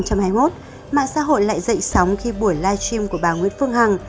vào cuối tháng tám hai nghìn hai mươi một mạng xã hội lại dậy sóng khi buổi livestream của bà nguyễn phương hằng